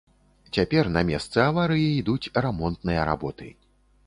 Цяпер на месцы аварыі ідуць рамонтныя работы.